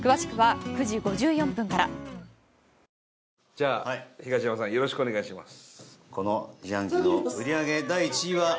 じゃあ、東山さんよろしくお願いします。